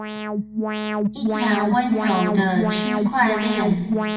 一條溫柔的區塊鍊